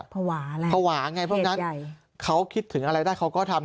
ภาวะแล้วภาวะไงเพราะฉะนั้นเขาคิดถึงอะไรได้เขาก็ทำ